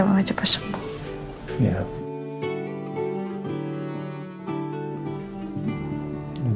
memang cepat sembuh